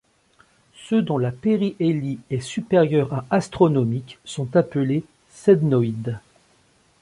Ceux dont le périhélie est supérieur à astronomiques sont appelés sednoïdes.